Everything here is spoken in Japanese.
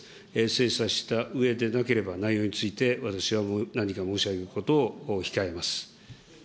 精査したうえでなければ内容について、私は何か申し上げることを控えます。